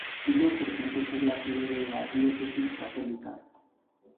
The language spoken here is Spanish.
Villa Insurgentes es la sede de la diócesis católica.